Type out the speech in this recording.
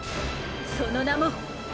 その名も！